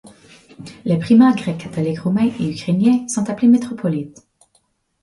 Les primats grec-catholiques roumains et ukrainiens sont appelés métropolites.